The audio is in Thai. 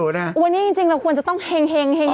เธอบอกว่าวันนี้จริงควรจะต้องแห่ง